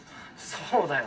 そうだよ。